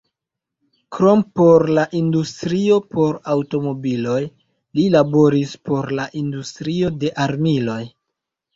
Krom por la industrio por aŭtomobiloj, li laboris por la industrio de armiloj.